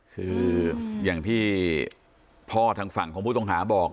คืออย่างที่พ่อทางฝั่งของผู้ต้องหาบอก